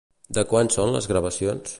De quan són les gravacions?